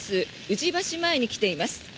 宇治橋前に来ています。